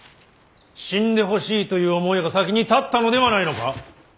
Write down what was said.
死んでほしいという思いが先に立ったのではないのか。